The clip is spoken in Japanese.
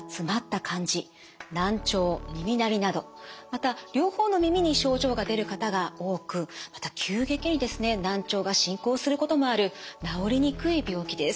症状としてはまた両方の耳に症状が出る方が多くまた急激に難聴が進行することもある治りにくい病気です。